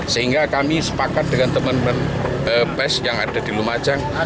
sehingga kami sepakat dengan teman teman pes yang ada di lumajang